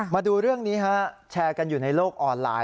มาดูเรื่องนี้ฮะแชร์กันอยู่ในโลกออนไลน์